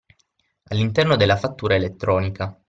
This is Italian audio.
All’interno della fattura elettronica.